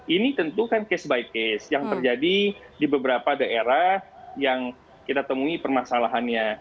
ini tentu kan case by case yang terjadi di beberapa daerah yang kita temui permasalahannya